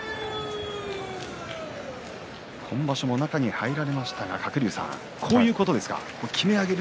今場所も中に入られましたがこういうことですか。